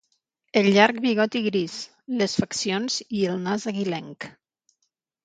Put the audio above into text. El llarg bigoti gris, les faccions i el nas aguilenc.